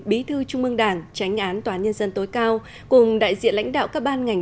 bí thư trung mương đảng tránh án toán nhân dân tối cao cùng đại diện lãnh đạo các ban ngành